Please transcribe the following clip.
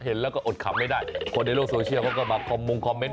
เห็นแล้วก็อดขำไม่ได้คนในโลกโซเชียลเขาก็มาคอมมงคอมเมนต